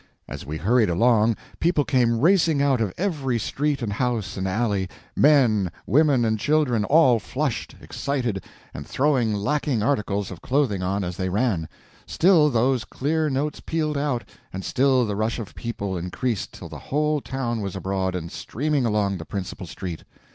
As we hurried along, people came racing out of every street and house and alley, men, women, and children, all flushed, excited, and throwing lacking articles of clothing on as they ran; still those clear notes pealed out, and still the rush of people increased till the whole town was abroad and streaming along the principal street.